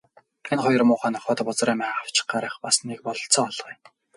Энэ хоёр муухай нохойд бузар амиа авч гарах бас нэг бололцоо олгоё.